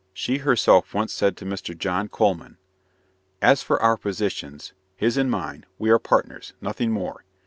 She herself once said to Mr. John Coleman: "As for our positions his and mine we are partners, nothing more.